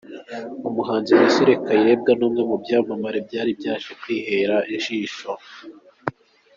Umuhanzi Cécile Kayirebwa ni umwe mu byamamare byari byaje kwihera ijisho.